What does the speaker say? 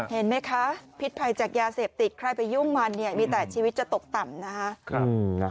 เห็นไหมคะพิษภัยจากยาเสพติดใครไปยุ่งมันเนี่ยมีแต่ชีวิตจะตกต่ำนะคะ